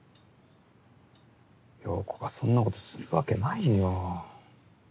陽子がそんなことするわけないよ。